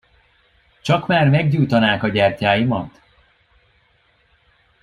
Csak már meggyújtanák a gyertyáimat!